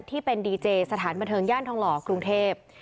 ที่เป็นดีเจสถานบันเทิงย่านทองหล่อกรุงเทพ